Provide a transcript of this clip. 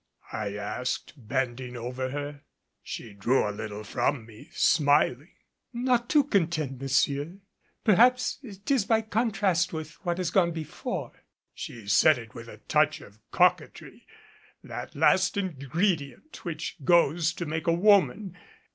I asked, bending over her. She drew a little from me, smiling. "Not too content, monsieur. Perhaps 'tis by contrast with what has gone before." She said it with a touch of coquetry, that last ingredient which goes to make a woman.